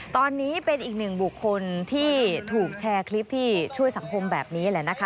ตอนนี้เป็นอีกหนึ่งบุคคลที่ถูกแชร์คลิปที่ช่วยสังคมแบบนี้แหละนะคะ